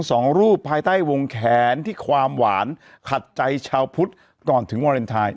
สองรูปภายใต้วงแขนที่ความหวานขัดใจชาวพุทธก่อนถึงวาเลนไทย